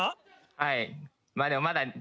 はい。